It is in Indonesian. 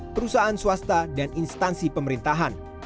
perusahaan swasta dan instansi pemerintahan